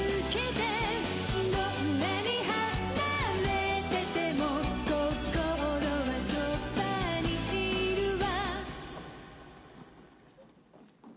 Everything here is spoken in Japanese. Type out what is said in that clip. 「どんなに離れてても」「心はそばにいるわ」